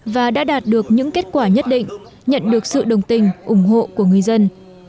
và đã đạt được những kết quả nhất định nhận được sự đồng tình ủng hộ của người dân